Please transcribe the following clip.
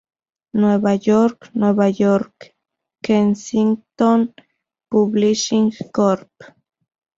Nueva York, Nueva York: Kensington Publishing Corp.